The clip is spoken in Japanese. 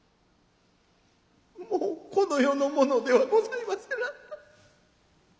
もうこの世のものではございませな。